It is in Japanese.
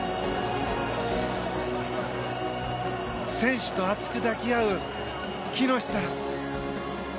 選手と熱く抱き合う喜熨斗さん。